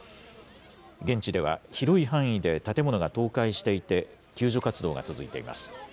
現地では、広い範囲で建物が倒壊していて、救助活動が続いています。